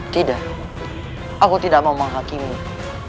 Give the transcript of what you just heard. tidak aku tidak mau menghakimi